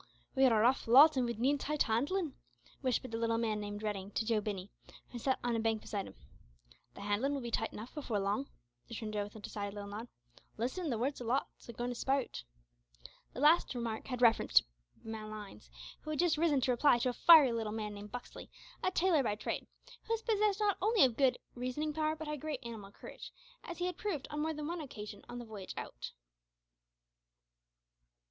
"We're a rough lot, and would need tight handlin'," whispered the little man named Redding to Joe Binney, who sat on a bank beside him. "The handlin' will be tight enough before long," returned Joe, with a decided little nod. "Listen, the worst o' the lot's agoin' to spout." This last remark had reference to Malines, who had just risen to reply to a fiery little man named Buxley, a tailor by trade, who was possessed not only of good reasoning power but great animal courage, as he had proved on more than one occasion on the voyage out.